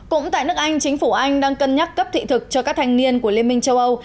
cũng tại nước anh chính phủ anh đang cân nhắc cấp thị thực cho các thanh niên của liên minh châu âu